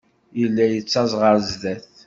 Yella yettaẓ ɣer sdat.